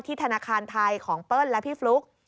ธนาคารไทยของเปิ้ลและพี่ฟลุ๊ก